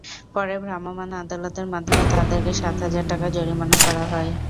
পরে ভ্রাম্যমাণ আদালতের মাধ্যমে তাঁদেরকে সাত হাজার টাকা জরিমানা করা হয়।